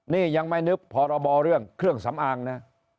นี่ยังไม่นึกพรบเรื่องเครื่องสำอางนะ